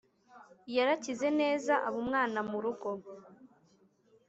yarakize neza abumwana murugo,